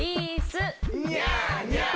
ニャーニャー。